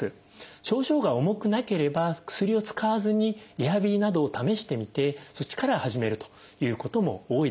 症状が重くなければ薬を使わずにリハビリなどを試してみてそっちから始めるということも多いです。